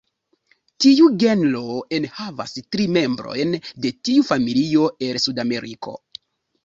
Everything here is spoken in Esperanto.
Tiu genro enhavas tri membrojn de tiu familio el Sudameriko.